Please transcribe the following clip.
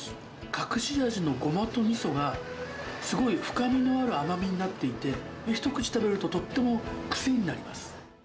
隠し味のゴマとみそが、すごい深みのある甘みになっていて、一口食べると、とっても癖になります。